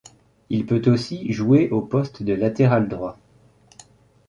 Il peut aussi jouer au poste de latéral droit.